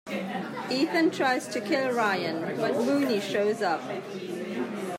Ethan tries to kill Ryan, but Mooney shows up.